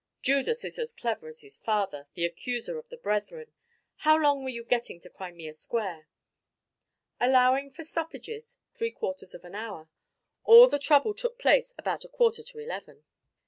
"Judas is as clever as his father, the Accuser of the Brethren. How long were you getting to Crimea Square?" "Allowing for stoppages, three quarters of an hour. All the trouble took place about a quarter to eleven."